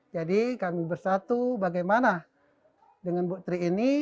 jadi kami bersatu bagaimana dengan bu tri ini